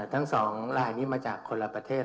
ทั้ง๒ลายนี้มาจากคนละประเทศ